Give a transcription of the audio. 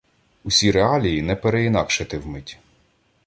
Усі реалії не переінакшити вмить